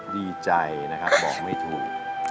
ดีใจนะครับบอกไม่ถูก